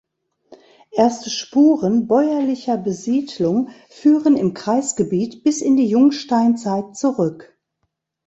Erste Spuren bäuerlicher Besiedlung führen im Kreisgebiet bis in die Jungsteinzeit zurück.